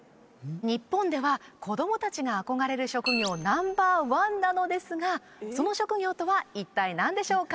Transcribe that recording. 日本では子供達が憧れる職業ナンバーワンなのですがその職業とは一体何でしょうか？